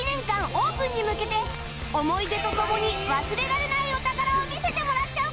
オープンに向けて思い出と共に忘れられないお宝を見せてもらっちゃうコーナー